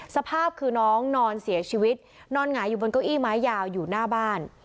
สภาพคือน้องนอนเสียชีวิตนอนหงายอยู่บนเก้าอี้ไม้ยาวอยู่หน้าบ้าน